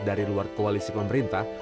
dari luar koalisi pemerintah